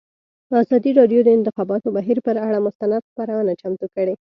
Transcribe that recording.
ازادي راډیو د د انتخاباتو بهیر پر اړه مستند خپرونه چمتو کړې.